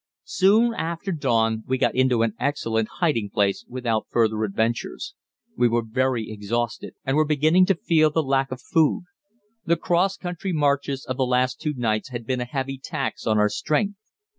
Soon after dawn we got into an excellent hiding place without further adventures. We were very exhausted, and were beginning to feel the lack of food. The cross country marches of the last two nights had been a heavy tax on our strength.